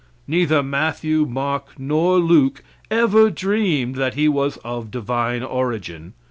Neither Matthew, Mark nor Luke ever dreamed that He was of divine origin.